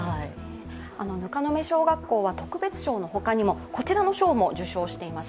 糠野目小学校は特別賞のほかにも、こちらの賞も受賞しています。